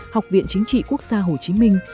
học viện chính trị quốc gia hồ chí minh